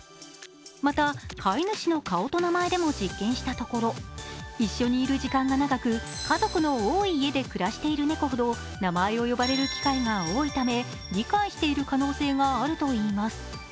また、飼い主の顔と名前でも実験したところ、一緒にいる時間が長く家族の多い家で暮らしている猫ほど名前を呼ばれる機会が多いため、理解している可能性があるといいます。